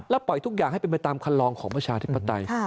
ปล่อยทุกอย่างให้เป็นไปตามคันลองของประชาธิปไตย